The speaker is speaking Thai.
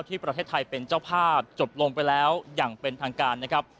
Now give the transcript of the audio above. ที่ประเทศไทยเป็นเจ้าภาพจบลงไปแล้วอย่างเป็นทางการนะครับ